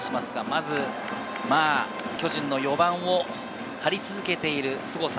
まず巨人の４番を張り続けている凄さ。